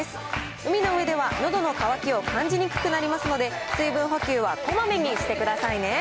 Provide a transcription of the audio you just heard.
海の上ではのどの渇きを感じにくくなりますので、水分補給はこまめにしてくださいね。